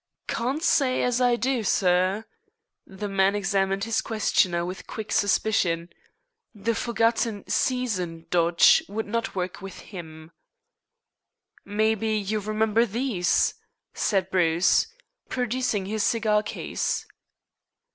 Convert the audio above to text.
"Can't say as I do, sir." The man examined his questioner with quick suspicion. The forgotten "season" dodge would not work with him. "Maybe you remember these?" said Bruce, producing his cigar case.